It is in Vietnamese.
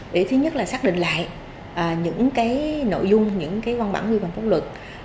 để thứ nhất là xác định lại những cái nội dung những cái văn bản nguyên văn pháp luật